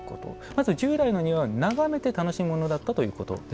まず従来の庭は眺めて楽しむものだったということですか？